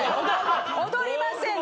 踊りません！